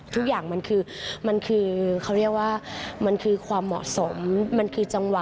ทุกอย่างมันคือความเหมาะสมมันคือจังหวะ